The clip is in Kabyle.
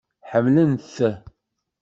Ḥemmlen-t?